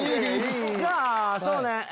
じゃあそうね。